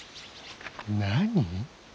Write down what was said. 何？